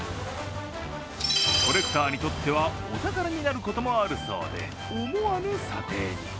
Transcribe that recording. コレクターにとってはお宝になることもあるそうで思わぬ査定に。